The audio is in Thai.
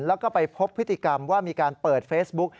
แล้วก็ไปพบพฤติกรรมว่ามีการเปิดเฟซบุ๊ก